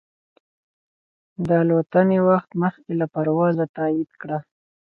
د الوتنې وخت مخکې له پروازه تایید کړه.